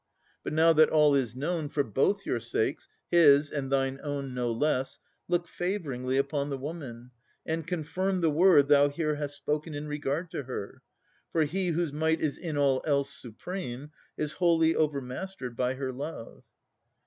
But now that all is known, for both your sakes, His, and thine own no less, look favouringly Upon the woman, and confirm the word Thou here hast spoken in regard to her: For he, whose might is in all else supreme, Is wholly overmastered by her love.